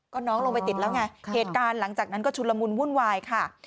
ก็น้องลงไปติดแล้วไงเหตุการณ์หลังจากนั้นก็ชุนละมุนวุ่นวายค่ะ